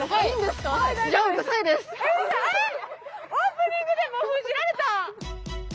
オープニングでもう封じられた！